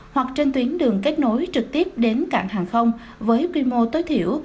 hoặc trên tuyến đường kết nối trực tiếp đến cảng hàng không với quy mô tối thiểu